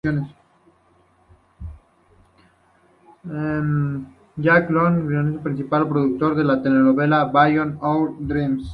Jack Gable es el guionista principal y productor de la telenovela "Beyond Our Dreams".